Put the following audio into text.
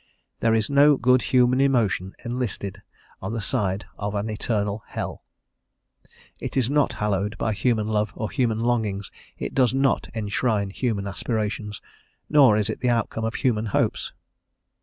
There is no good human emotion enlisted on the side of an Eternal Hell; it is not hallowed by human love or human longings, it does not enshrine human aspirations, nor is it the outcome of human hopes.